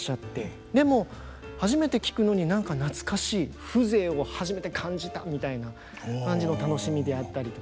でも「初めて聴くのに何か懐かしい」「風情を初めて感じた」みたいな感じの楽しみであったりとか。